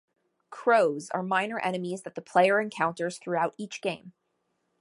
Crows are minor enemies that the player encounters throughout each game.